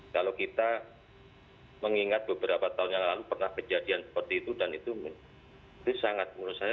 kalau kita mengingat beberapa tahun yang lalu pernah kejadian seperti itu dan itu sangat menurut saya